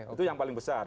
itu yang paling besar